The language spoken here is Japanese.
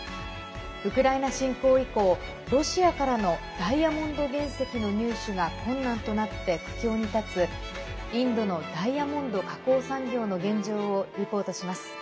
ウクライナ侵攻以降ロシアからのダイヤモンド原石の入手が困難となって苦境に立つインドのダイヤモンド加工産業の現状をリポートします。